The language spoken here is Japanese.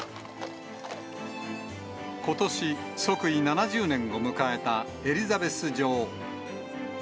ことし、即位７０年を迎えたエリザベス女王。